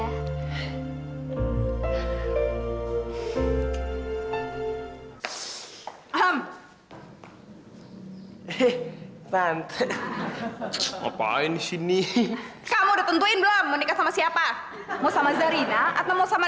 eh eh pangkat ngapain sini kamu udah tentuin belum menikah sama siapa mau sama zarina atau mau sama